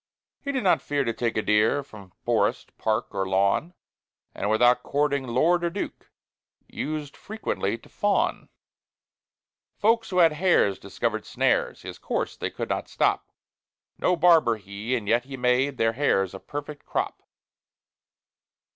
He did not fear to take a deer From forest, park, or lawn; And without courting lord or duke, Used frequently to fawn. Folks who had hares discovered snares His course they could not stop: No barber he, and yet he made Their hares a perfect crop.